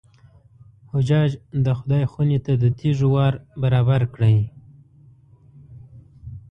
حجاج د خدای خونې ته د تېږو وار برابر کړی.